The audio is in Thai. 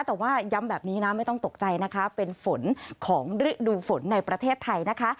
แต่ว่าย้ำแบบนี้นะไม่ต้องตกใจนะคะเป็นฝนของฤดูฝนในประเทศไทยนะคะ